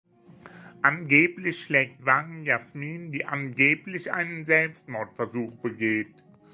Angeblich schlägt Wang Jasmin, die angeblich einen Selbstmordversuch begeht.